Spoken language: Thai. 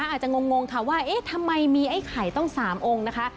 อาจจะงงค่ะว่าเอ๊ะทำไมมีไอ้ไข่ต้อง๓องค์นะคะ